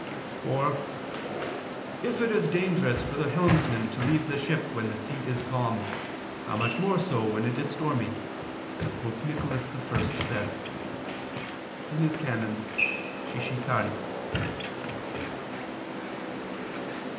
For "if it is dangerous for the helmsman to leave the ship when the sea is calm, how much more so when it is stormy," as Pope Nicholas I says (cf. VII, qu. i, can. Sciscitaris).